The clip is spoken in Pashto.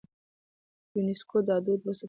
يونيسکو دا دود وستايه.